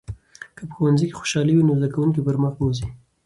که په ښوونځي کې خوشالي وي، نو زده کوونکي به پرمخ بوځي.